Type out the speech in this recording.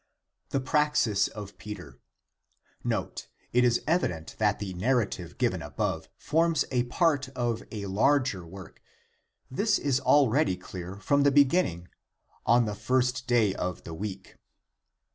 [THE PRAXIS OF PETER.] Note.— It is evident that the narrative given above forms a part of a larger work. This is already clear from the begin ning " on the first day of the week."